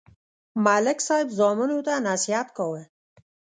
ملک صاحب زامنو ته نصیحت کاوه.